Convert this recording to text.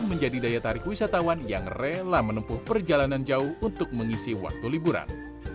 menjadi daya tarik wisatawan yang rela menempuh perjalanan jauh untuk mengisi waktu liburan